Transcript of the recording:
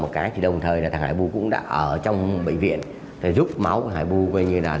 một cái thì đồng thời là thà hải buu cũng đã ở trong bệnh viện để giúp máu hải bu coi như là